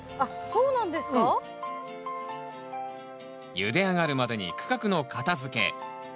ゆで上がるまでに区画の片づけ。